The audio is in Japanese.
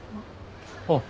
あっ。